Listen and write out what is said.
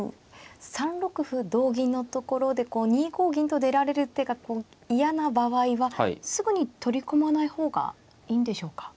３六歩同銀のところで２五銀と出られる手が嫌な場合はすぐに取り込まない方がいいんでしょうか。